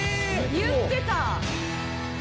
言ってた！